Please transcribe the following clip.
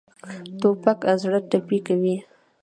توپک زړه ټپي کوي.